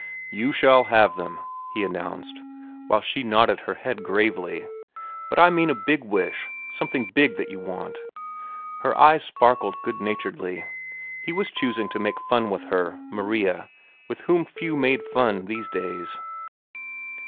"You shall have them," he announced, while she nodded her head gravely. "But I mean a big wish, something big that you want." Her eyes sparkled good naturedly. He was choosing to make fun with her, Maria, with whom few made fun these days.